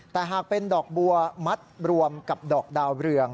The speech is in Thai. แต่หากเป็นดอกบัวมัดรวมกับดอกดาวเรือง